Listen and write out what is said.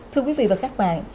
thưa quý vị và các bạn